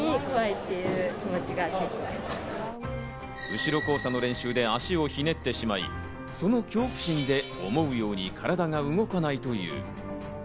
後ろ交差の練習で足をひねってしまい、その恐怖心で思うように体が動かないという。